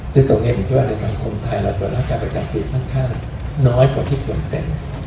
ซึ่งตรงนี้ผมคิดว่าในสังคมไทยเราตรวจร่างกายประจำปีค่อนข้างน้อยกว่าที่ควรเป็น